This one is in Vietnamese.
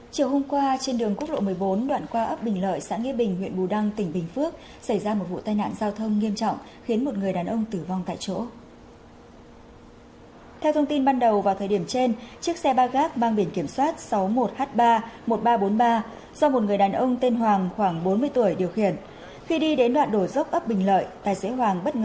chào mừng quý vị đến với kênh youtube của chúng mình